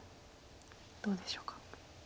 どうでしょうか。